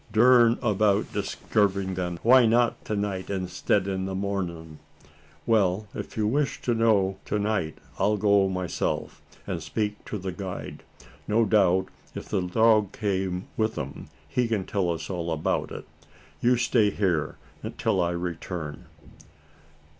"Durn about disturbin' them! Why not to night, instead o' the mornin'?" "Well if you wish to know to night, I'll go myself, and speak to the guide. No doubt, if the dog came with them, he can tell us all about it? You stay here till I return?"